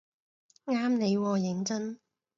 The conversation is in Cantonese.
啱你喎認真